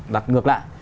đặt ngược lại